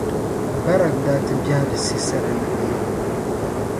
Barak daa ti bɛhiri Sisɛra naba na.